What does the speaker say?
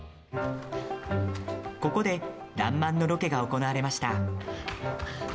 ここで「らんまん」のロケが行われました。